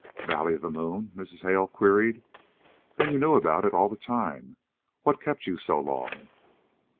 "Valley of the Moon?" Mrs. Hale queried. "Then you knew about it all the time. What kept you so long?"